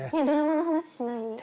ドラマの話しない？